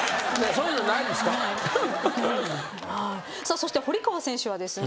そして堀川選手はですね